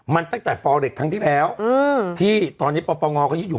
มันตั้งแต่ฟอเล็กครั้งที่แล้วที่ตอนนี้ปปงเขายึดอยู่